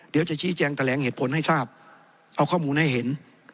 เดี๋ยวจะชี้แจงแถลงเหตุผลให้ทราบเอาข้อมูลให้เห็น